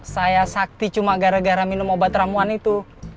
saya sakti cuma gara gara minum obat ramuan itu